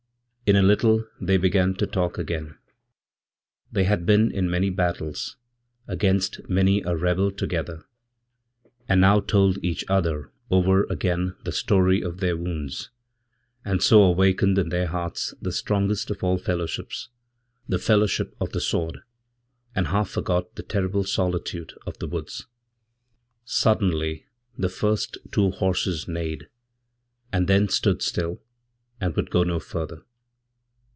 In a little they began to talk again. They had been in many battlesagainst many a rebel together, and now told each other over again thestory of their wounds, and so awakened in their hearts the strongestof all fellowships, the fellowship of the sword, and half forgot theterrible solitude of the woods. Suddenly the first two horses neighed, and then stood still, andwould go no further.